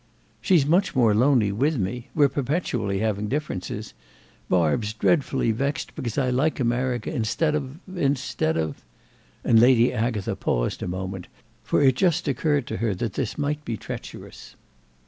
"She's much more lonely with me. We're perpetually having differences. Barb's dreadfully vexed because I like America instead of—instead of—" And Lady Agatha paused a moment; for it just occurred to her that this might be treacherous.